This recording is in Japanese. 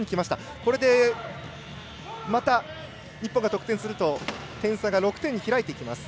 これで、また日本が得点すると点差が６点に開いてきます。